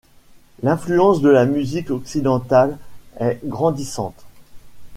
L'influence de la musique occidentale est grandissante.